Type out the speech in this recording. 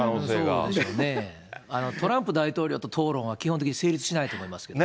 そうなんでしょうね、トランプ大統領と討論は基本的に成立しないと思いますけれども。